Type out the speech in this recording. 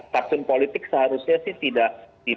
fatsun politik seharusnya sih tidak